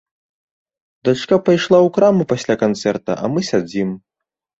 Дачка пайшла ў краму пасля канцэрта, а мы сядзім.